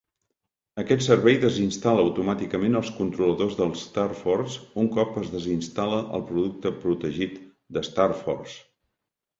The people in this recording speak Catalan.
Aquest servei desinstal·la automàticament els controladors de StarForce un cop es desinstal·la el producte protegit de StarForce.